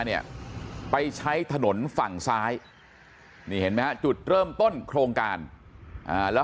เนี่ยไปใช้ถนนฝั่งซ้ายนี่เห็นไหมฮะจุดเริ่มต้นโครงการแล้ว